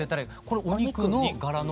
これお肉の柄の？